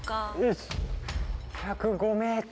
１０５ｍ。